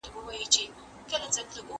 ¬ سر څه په لوټه سپېره څه په شدياره.